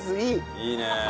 いいね！